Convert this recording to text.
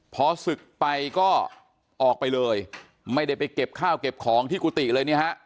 พอศึกไปก็ออกไปเลยไม่ได้ไปเก็บข้าวเก็บของที่กุฏิเลยเนี่ยฮะ